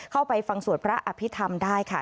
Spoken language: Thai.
เข้าไปฟังสวดพระอภิษฐรรมได้ค่ะ